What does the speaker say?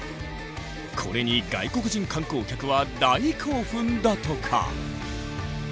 これに外国人観光客は大興奮だとか。